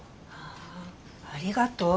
あありがとう。